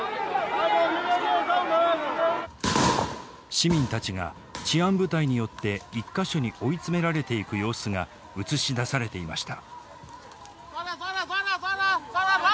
市民たちが治安部隊によって１か所に追い詰められていく様子が映し出されていました。